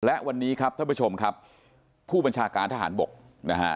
และวันนี้ครับท่านผู้ชมครับผู้บัญชาการทหารบกนะฮะ